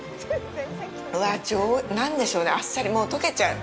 うわぁ、なんでしょうね、あっさり、もう溶けちゃう。